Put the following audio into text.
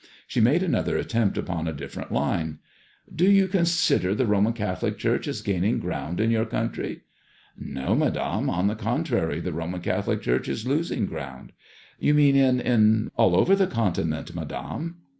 She made another attempt upon a different line/ " Do you consider the Roman Catholic Church is gaining ground in your country ?" ''No, Madame; on the contraiy, MADEMOISELLE IXE. the Roman Catholic Church is losing ground." " You mean in — ^in " ''All over the Continent, Madame."